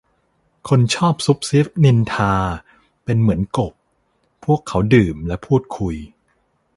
คนชอบซุบซิบนินทาเป็นเหมือนกบ พวกเขาดื่มและพูดคุย